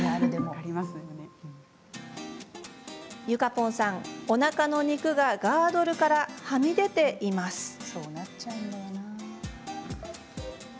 ゆかぽんさん、おなかの肉がガードルからはみ出ています。